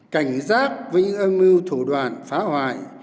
cảnh giác với những âm mưu thủ đoạn phá hoại